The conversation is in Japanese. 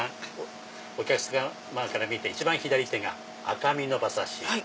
お客様から見て一番左手が赤身の馬刺し。